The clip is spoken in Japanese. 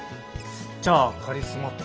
じゃあカリスマと。